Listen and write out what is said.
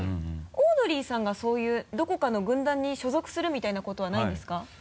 オードリーさんがそういうどこかの軍団に所属するみたいなことはないんですか？